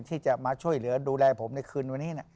ที่จะมาช่วยเหลือดูแลผมในคืนวันนี้